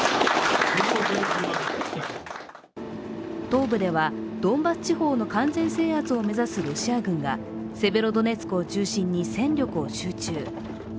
東部ではドンバス地方の完全制圧を目指すロシア軍がセベロドネツクを中心に戦力を集中。